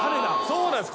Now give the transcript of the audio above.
そうなんです。